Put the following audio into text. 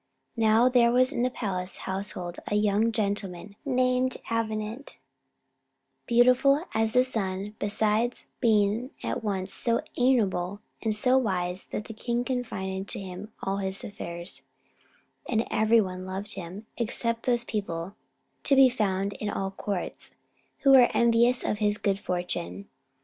Now, there was in the palace household a young gentleman named Avenant, beautiful as the sun, besides being at once so amiable and so wise that the king confided to him all his affairs; and every one loved him, except those people to be found in all courts who were envious of his good fortune.